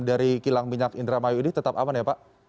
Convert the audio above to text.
dari kilang minyak indramayu ini tetap aman ya pak